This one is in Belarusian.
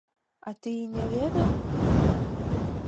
А ты і не ведаў?!